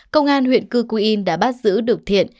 công an huyện cư cu yên đã bắt giữ được thiện